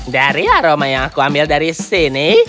dari aroma yang aku ambil dari sini